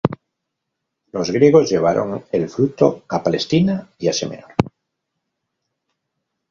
Los griegos llevaron el fruto a Palestina y Asia Menor.